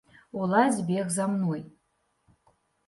Уладзь бег за мной.